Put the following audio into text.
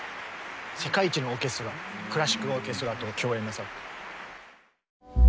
世界一のオーケストラクラシックオーケストラと共演なさった。